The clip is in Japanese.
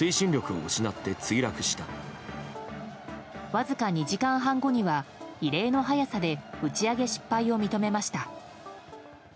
わずか２時間半後には異例の早さで打ち上げ失敗を認めました。